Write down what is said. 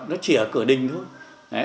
nó chỉ ở cửa đình thôi